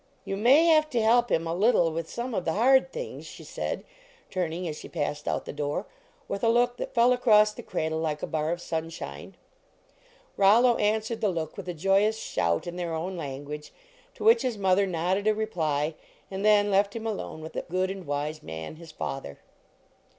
" You may have to help him a little with LEARNING TO DRESS some of the hard things," she said, turning as she passed out the door, with a look that fell across the cradle like a bar of sunshine. Rollo answered the look with a joyous shout in their own language, to which his mother nodded a reply, and then left him alone with that good and wise man, his father.